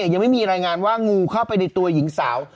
ยังไม่มีรายงานว่างูเข้าไปในตัวหญิงสาว